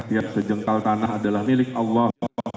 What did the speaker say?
tiap sejengkal tanah adalah milik allah